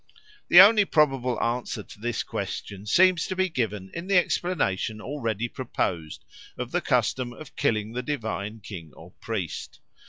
The only probable answer to this question seems to be given in the explanation already proposed of the custom of killing the divine king or priest.